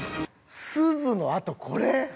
すずのあとこれ？